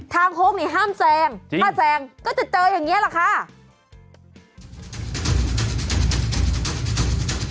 โค้งนี่ห้ามแซงถ้าแซงก็จะเจออย่างนี้แหละค่ะ